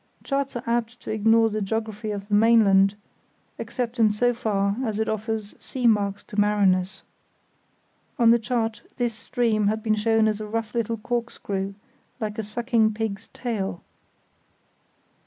Charts are apt to ignore the geography of the mainland, except in so far as it offers sea marks to mariners. On the chart this stream had been shown as a rough little corkscrew, like a sucking pig's tail.